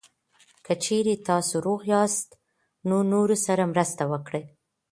که چېرې تاسو روغ یاست، نو نورو سره مرسته وکړئ.